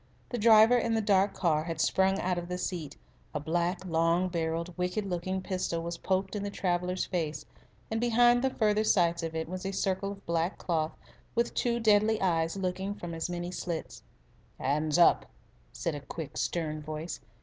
The driver in the dark car had sprung out of the seat, a black, long barrelled, wicked looking pistol was poked in the traveller's face, and behind the further sights of it was a circle of black cloth with two deadly eyes looking from as many slits. "Hands up!" said a quick, stern voice.